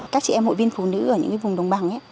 các chị em hội viên phụ nữ ở những vùng đồng bằng